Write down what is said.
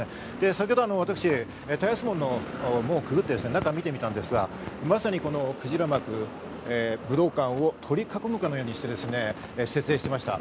先程、私、田安門をくぐって中を見たんですが、まさにこの鯨幕、武道館を取り囲むかのようにして設定してました。